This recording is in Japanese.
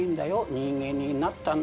人間になったんだよ」